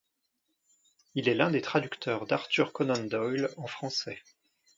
Il est l'un des traducteurs d'Arthur Conan Doyle en français.